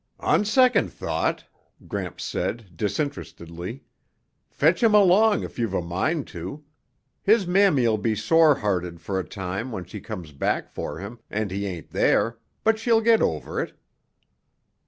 "On second thought," Gramps said disinterestedly, "fetch him along if you've a mind to. His mammy'll be sorehearted for a time when she comes back for him and he ain't here, but she'll get over it."